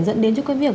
dẫn đến cho cái việc